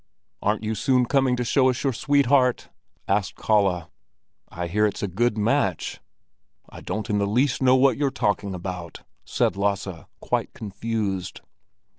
"Aren't you soon coming to show us your sweetheart?" asked Kalle. "I hear it's a good match." "I don't in the least know what you're talking about," said Lasse, quite confused.